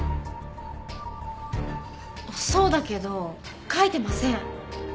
そうだけど書いてません。